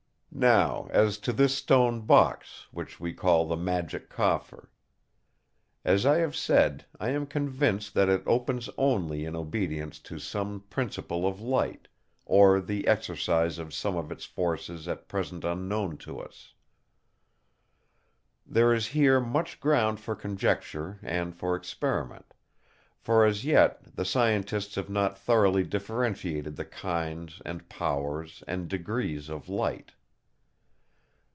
"Now, as to this stone box, which we call the Magic Coffer. As I have said, I am convinced that it opens only in obedience to some principle of light, or the exercise of some of its forces at present unknown to us. There is here much ground for conjecture and for experiment; for as yet the scientists have not thoroughly differentiated the kinds, and powers, and degrees of light.